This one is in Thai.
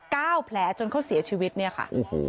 ก้าวแผลจนเขาเสียชีวิตเนี่ยค่ะ